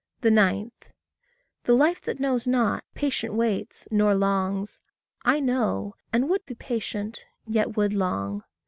9. The life that knows not, patient waits, nor longs: I know, and would be patient, yet would long.